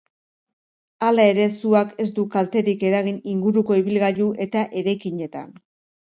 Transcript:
Hala ere, suak ez du kalterik eragin inguruko ibilgailu eta eraikinetan.